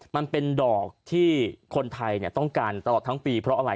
มันเป็นดอกที่คนไทยต้องการตลอดทั้งปีเพราะอะไร